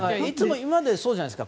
今までもそうじゃないですか。